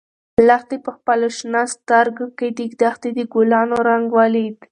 لښتې په خپلو شنه سترګو کې د دښتې د ګلانو رنګ ولید.